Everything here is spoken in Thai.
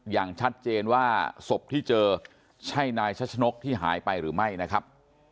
อย่างชัดเจนว่าศพที่เจอใช่นายชัชนกที่หายไปหรือไม่นะครับ